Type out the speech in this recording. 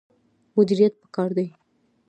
مدیریت پکار دی